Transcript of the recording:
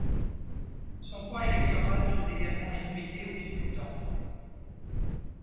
Son poids électoral s'est également effrité au fil du temps.